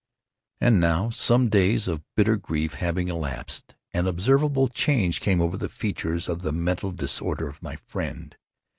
And now, some days of bitter grief having elapsed, an observable change came over the features of the mental disorder of my friend.